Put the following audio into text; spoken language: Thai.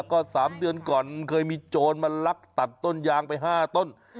ก็๓เดือนก่อนเคยมีโจรมาลักตัดต้นยางไป๕ต้น